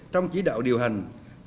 trong chỉ đạo điều hành